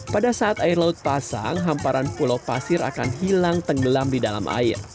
pada saat air laut pasang hamparan pulau pasir akan hilang tenggelam di dalam air